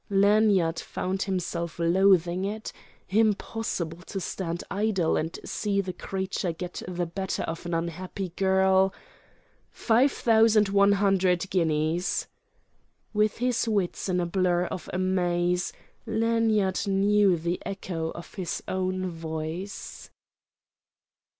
Lanyard found himself loathing it. Impossible to stand idle and see the creature get the better of an unhappy girl ... "Five thousand one hundred guineas!" With his wits in a blur of amaze, Lanyard knew the echo of his own voice.